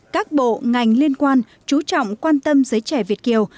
các bộ ngành liên quan chú trọng quan tâm giới trẻ việt kiều